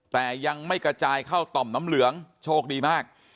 แต่ยังไม่กระจายเข้าต่อมน้ำเหลืองโชคดีมาก